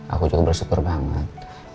aku juga bersyukur banget